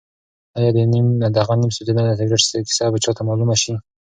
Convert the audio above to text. ایا د هغه نیم سوځېدلي سګرټ کیسه به چا ته معلومه شي؟